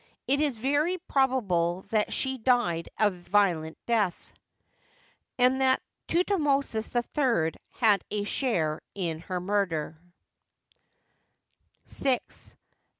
It is very probable that she died a violent death, and that Thutmosis III had a share in her murder. § 6.